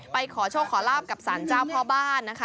ขอโชคขอลาบกับสารเจ้าพ่อบ้านนะคะ